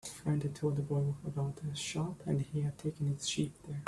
A friend had told the boy about the shop, and he had taken his sheep there.